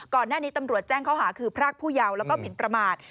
ก่อนหน้านี้ตำรวจแจ้งข้อหาคือพรากผู้เยาว์แล้วก็หมินประมาท